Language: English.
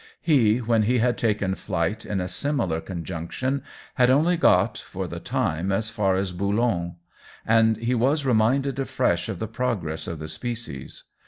He, when he had taken flight in a similar conjunction, had only got, for the time, as far as Boulogne; and he was reminded afresh of the progress of the species.